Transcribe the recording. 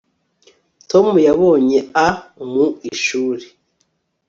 tom yabonye a mu ishuri